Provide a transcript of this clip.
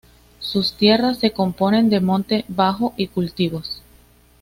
Sus tierras se componen de monte bajo y cultivos.